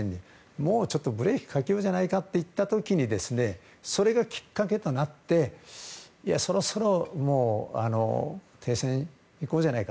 もうちょっとブレーキをかけようじゃないかと言った時にそれがきっかけとなってそろそろ停戦いこうじゃないか。